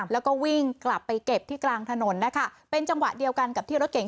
แล้วก็วิ่งกลับไปเก็บที่กลางถนนนะคะเป็นจังหวะเดียวกันกับที่รถเก่ง